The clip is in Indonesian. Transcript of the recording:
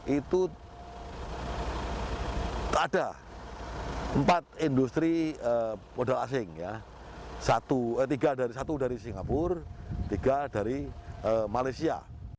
itu ada empat industri modal asing ya tiga dari singapura tiga dari malaysia